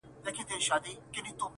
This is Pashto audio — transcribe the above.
ماما مه پوښته، خورجين ئې پوښته.